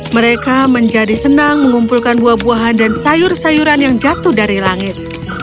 mereka menjadi senang mengumpulkan buah buahan dan sayur sayuran yang jatuh dari langit